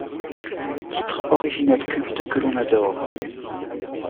Titre originel culte que l'on adore.